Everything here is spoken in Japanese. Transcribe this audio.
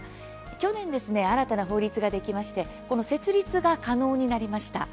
去年、新たな法律ができこの設立が可能になりました。